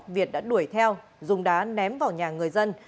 việt đã đuổi theo dùng đá ném vào nhà người dân